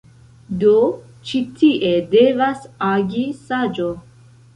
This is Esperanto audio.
Do, ĉi tie devas agi saĝo.